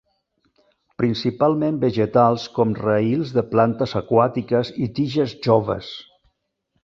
Principalment vegetals com raïls de plantes aquàtiques i tiges joves.